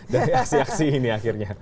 dari aksi aksi ini akhirnya